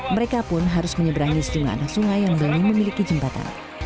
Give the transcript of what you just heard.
mereka pun harus menyeberangi sejumlah anak sungai yang belum memiliki jembatan